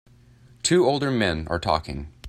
Two older men are talking.